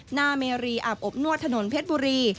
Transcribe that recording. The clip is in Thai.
เมรีอาบอบนวดถนนเพชรบุรี